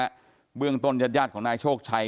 เออเปลี่ยงต้นยาดของนายโชกชัย